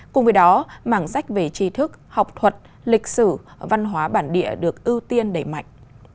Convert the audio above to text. cùng với đó mảng sách về tri thức học thuật lịch sử văn hóa bản địa được ưu tiên đẩy mạnh